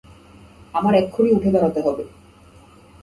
আমার এক্ষুণি উঠে দাঁড়াতে হবে।